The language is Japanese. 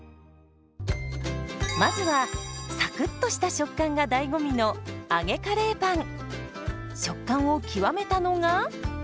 まずはサクッとした食感が醍醐味の食感を極めたのが。